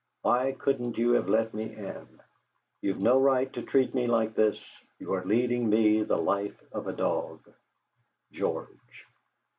Why couldn't you have let me in? You've no right to treat me like this. You are leading me the life of a dog." GEORGE.